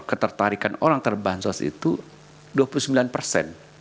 ketertarikan orang terbansos itu dua puluh sembilan persen